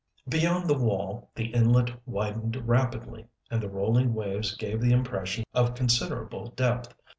Beyond the wall the inlet widened rapidly, and the rolling waves gave the impression of considerable depth.